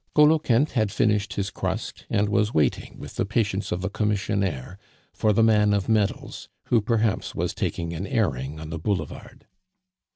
Coloquinte had finished his crust, and was waiting with the patience of a commissionaire, for the man of medals, who perhaps was taking an airing on the boulevard.